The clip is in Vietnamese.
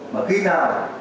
mà khi nào